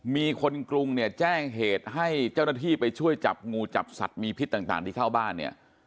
มีคนกรุงเนี่ยแจ้งเหตุให้เจ้าหน้าที่ไปช่วยจับงูจับสัตว์มีพิษต่างที่เข้าบ้านเนี่ย